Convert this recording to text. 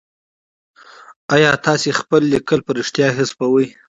آيا تاسي خپل ليکل په رښتيا حذفوئ ؟